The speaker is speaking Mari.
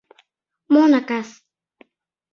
— Мо накас?